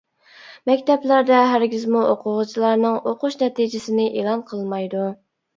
مەكتەپلەردە ھەرگىزمۇ ئوقۇغۇچىلارنىڭ ئوقۇش نەتىجىسىنى ئېلان قىلمايدۇ.